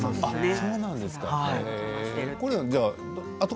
そうなんですか。